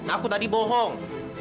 aku tadi bohong